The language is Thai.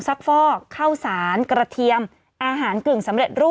สถานาการ